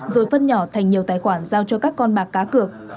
rồi phân nhỏ thành nhiều tài khoản giao cho các con bạc cá cược